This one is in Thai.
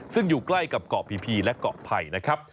ซึ่งอยู่ใกล้กับเกาะพีและเกาะไผ่นะครับ